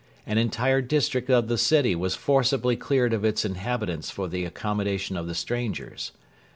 An entire district of the city was forcibly cleared of its inhabitants for the accommodation of the strangers.